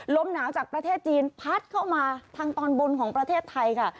ลมหนาวจากประเทศจีนพัดเข้ามาทางตอนบนของประเทศไทยค่ะ